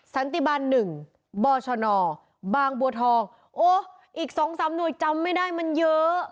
สันติบันหนึ่งบอชนอบางบัวทองโอ้อีกสองสามหน่วยจำไม่ได้มันเยอะ